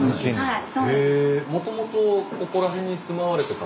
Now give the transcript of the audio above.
はい。